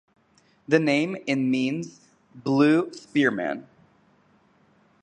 The name in means "blue spearman".